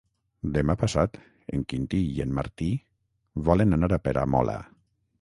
Demà passat en Quintí i en Martí volen anar a Peramola.